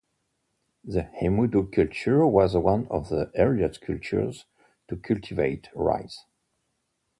The Hemudu culture was one of the earliest cultures to cultivate rice.